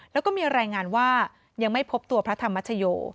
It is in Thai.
แล้วก็มีรายงานว่ายังไม่พบตัวพระธรรมชโย